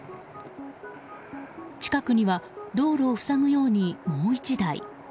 近くには道路を塞ぐようにもう１台。